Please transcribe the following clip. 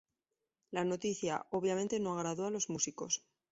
La noticia, obviamente no agradó a los músicos.